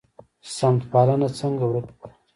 سمت پالنه څنګه ورک کړو؟